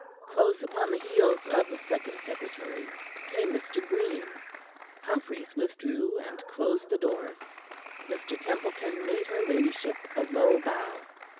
Close upon the heels of the second secretary came Mr. Green. Humphries withdrew, and closed the door. Mr. Templeton made her ladyship a low bow.